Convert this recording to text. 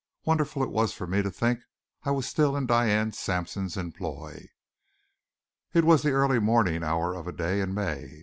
Wonderful it was for me to think I was still in Diane Sampson's employ. It was the early morning hour of a day in May.